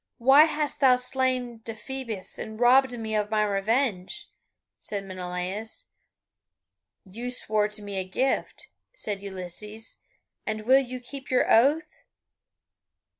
"Why hast thou slain Deiphobus and robbed me of my revenge?" said Menelaus. "You swore to give me a gift," said Ulysses, "and will you keep your oath?"